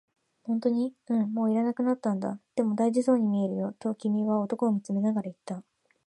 「本当に？」、「うん、もう要らなくなったんだ」、「でも、大事そうに見えるよ」と君は男を見つめながら言った。